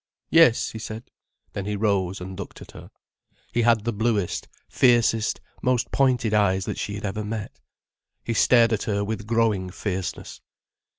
"Yes," he said. Then he rose and looked at her. He had the bluest, fiercest, most pointed eyes that she had ever met. He stared at her with growing fierceness.